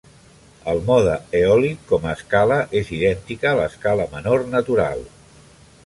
El mode eòlic com a escala és idèntica a l'escala menor natural.